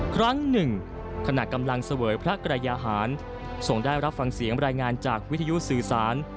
ครั้งหนึ่งขณะกำลังเสวยพระกรยาหารส่งได้รับฟังเสียงรายงานจากวิทยุสื่อสาร